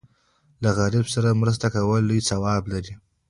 له غریب سره مرسته کول لوی ثواب لري.